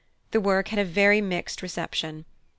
The work had a very mixed reception.